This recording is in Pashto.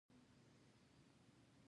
څنګه کولی شم د جګړې پر مهال ارام پاتې شم